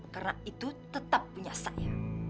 karena itu tetap punya saya